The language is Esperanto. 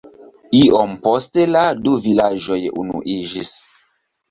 Iom poste la du vilaĝoj unuiĝis.